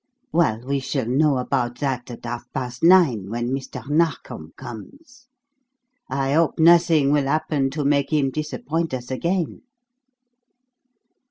Well, we shall know about that at half past nine, when Mr. Narkom comes. I hope nothing will happen to make him disappoint us again."